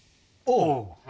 おう。